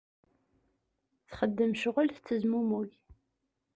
Txeddem ccɣel tettezmumug.